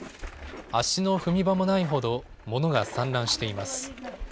足の踏み場もないほど物が散乱しています。